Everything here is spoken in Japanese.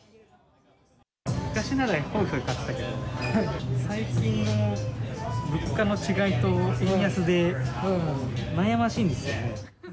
昔ならひょいひょい買ってたけど、最近は、物価の違いと円安で悩ましいんですよね。